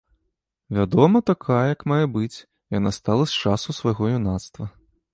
Вядома, такая, як мае быць, яна стала з часу свайго юнацтва.